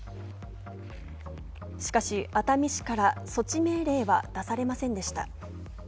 しかし熱海市から措置命令は出されませんでした。